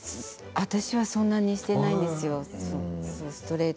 私はそんなにしていないんですよ。